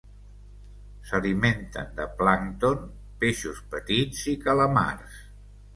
S'alimenten de plàncton, peixos petits i calamars.